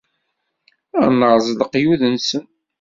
Ad nerẓ leqyud-nsen.